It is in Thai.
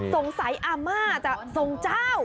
สงสัยอาม่าจะส่งเจ้า